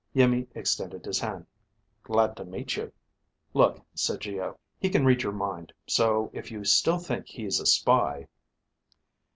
Iimmi extended his hand. "Glad to meet you." "Look," said Geo, "he can read your mind, so if you still think he's a spy